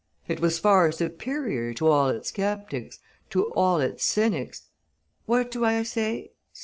It was far superior to all its sceptics, to all its cynics. What do I say?